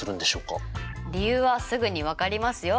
理由はすぐに分かりますよ。